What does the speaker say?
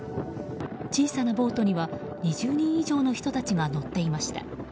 小さなボートには２０人以上の人たちが乗っていました。